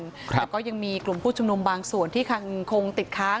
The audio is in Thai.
แล้วก็ยังมีกลุ่มผู้ชุมนุมบางส่วนที่คงติดค้าง